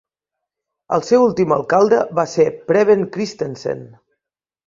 El seu últim alcalde va ser Preben Christensen.